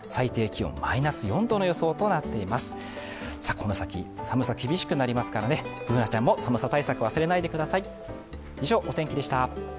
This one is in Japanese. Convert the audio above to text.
この先、寒さ厳しくなりますからね、Ｂｏｏｎａちゃんも寒さ対策忘れないでください。